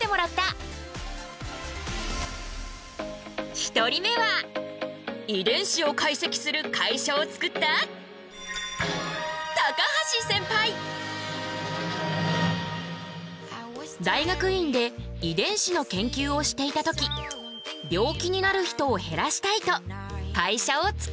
１人目は遺伝子を解析する会社を作った大学院で遺伝子の研究をしていた時病気になる人を減らしたいと会社を作った。